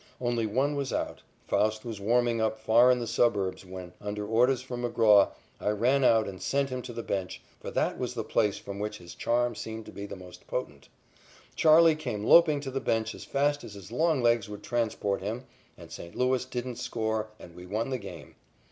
Only one was out. Faust was warming up far in the suburbs when, under orders from McGraw, I ran out and sent him to the bench, for that was the place from which his charm seemed to be the most potent. "Charley" came loping to the bench as fast as his long legs would transport him and St. Louis didn't score and we won the game.